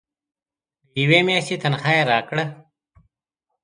د یوې میاشتي تنخواه یې راکړه.